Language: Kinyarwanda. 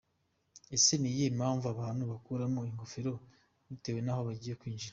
Ese ni iyihe mpamvu abantu bakuramo ingofero bitewe naho bagiye kwinjira?.